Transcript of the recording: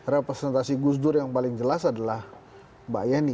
representasi gus dur yang paling jelas adalah mbak yeni